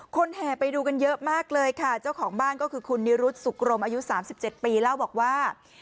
แห่ไปดูกันเยอะมากเลยค่ะเจ้าของบ้านก็คือคุณนิรุธสุกรมอายุ๓๗ปีเล่าบอกว่า